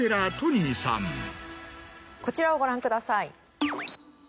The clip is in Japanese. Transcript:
こちらをご覧ください。